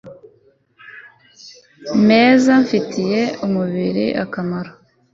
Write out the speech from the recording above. meza afitiye umubiri akamaro